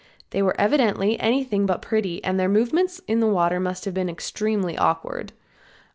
They were evidently anything but pretty and their movements in the water must have been extremely awkward.